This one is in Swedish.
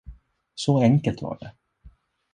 Så enkelt var det.